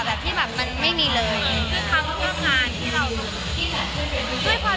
มันเหมือนกับมันเหมือนกับมันเหมือนกับ